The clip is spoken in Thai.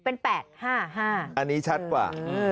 เป็นแปดห้าอันนี้ชัดกว่า